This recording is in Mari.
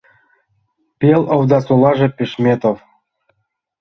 — Пел Овдасолаже Пешметов.